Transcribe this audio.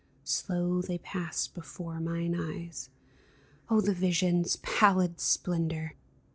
Slow they passed before mine eyes. Oh, the vision's pallid splendor